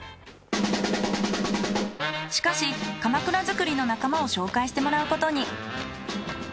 しかしかまくら作りの仲間を紹介してもらうことに。